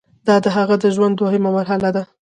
دا د هغه د ژوند دوهمه مرحله ده.